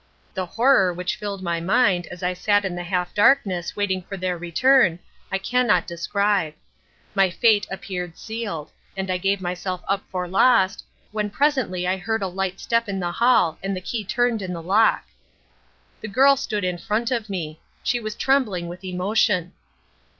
"The horror which filled my mind as I sat in the half darkness waiting for their return I cannot describe. My fate appeared sealed and I gave myself up for lost, when presently I heard a light step in the hall and the key turned in the lock. "The girl stood in front of me. She was trembling with emotion.